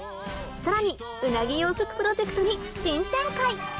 さらにウナギ養殖プロジェクトに新展開！